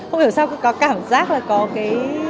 không hiểu sao có cảm giác là có cái